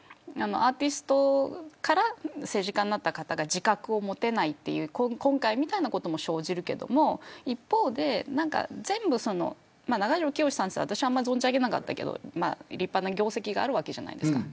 アーティストから政治家になった方が自覚を持てないという今回のようなことも生じるけど一方で中条きよしさん、私はあんまり存じ上げなかったけど立派な業績があるわけじゃないですか。